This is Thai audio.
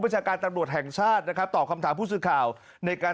ชาการตำรวจแห่งชาตินะครับตอบคำถามผู้สื่อข่าวในการ